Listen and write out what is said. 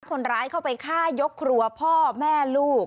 คนร้ายเข้าไปฆ่ายกครัวพ่อแม่ลูก